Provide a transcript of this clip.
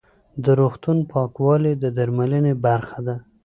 د روغتون پاکوالی د درملنې برخه ده.